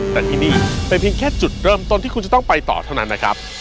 แต่ที่นี่เป็นเพียงแค่จุดเริ่มต้นที่คุณจะต้องไปต่อเท่านั้นนะครับ